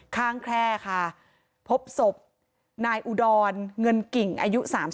แคร่ค่ะพบศพนายอุดรเงินกิ่งอายุ๓๒